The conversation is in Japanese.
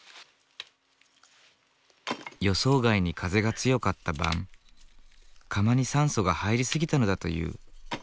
予想外に風が強かった晩窯に酸素が入り過ぎたのだという。